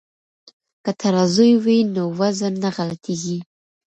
که ترازوی وي نو وزن نه غلطیږي.